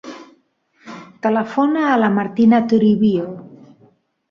Telefona a la Martina Toribio.